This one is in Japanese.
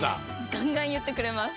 ガンガンいってくれます。